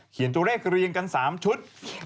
เขียนตัวเลขเรียงกัน๓ชุด